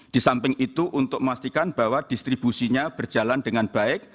di samping itu untuk memastikan bahwa distribusinya berjalan dengan baik